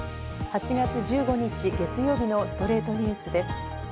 ８月１５日、月曜日の『ストレイトニュース』です。